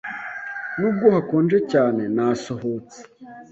Nubwo hakonje cyane, nasohotse.